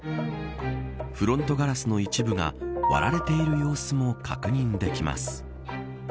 フロントガラスの一部が割られている様子も確認できます。